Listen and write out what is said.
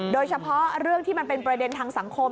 โดยเฉพาะเรื่องที่มันเป็นประเด็นทางสังคม